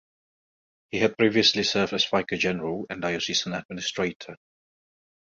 He had previously served as Vicar General and Diocesan Administrator.